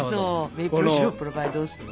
メープルシロップの場合どうするの？